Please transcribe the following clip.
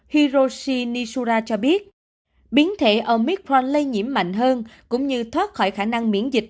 hiroji nishura cho biết biến thể omicron lây nhiễm mạnh hơn cũng như thoát khỏi khả năng miễn dịch